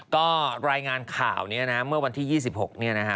ก็รายงานข่าวนี้นะเมื่อวันที่๒๖เนี่ยนะฮะ